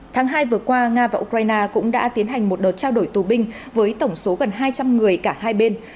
tháng hai vừa qua nga và ukraine cũng đã tiến hành một đợt trao đổi tù binh với tổng số gần hai trăm linh người cả hai bên